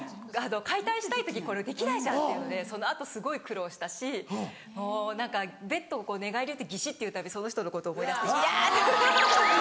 解体したい時これできないじゃんっていうのでその後すごい苦労したしもう何かベッドをこう寝返りうってギシっていうたびその人のことを思い出して嫌！